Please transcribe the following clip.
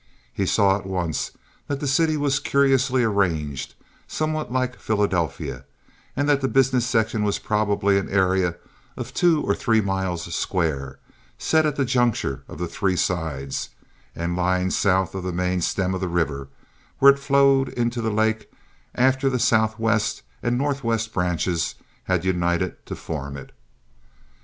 He saw at once that the city was curiously arranged, somewhat like Philadelphia, and that the business section was probably an area of two or three miles square, set at the juncture of the three sides, and lying south of the main stem of the river, where it flowed into the lake after the southwest and northwest branches had united to form it.